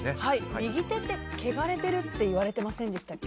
右手ってけがれてるって言われてませんでしたっけ？